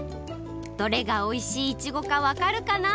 どれがおいしいイチゴかわかるかな？